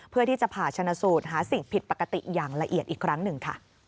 เพื่อที่จะผ่าชนะสูตรหาสิ่งผิดปกติอย่างละเอียดอีกครั้งหนึ่งค่ะ